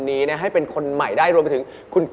รอที่จะมาอัปเดตผลงานแล้วแล้วก็เข้าไปโด่งดังไกลถึงประเทศจีน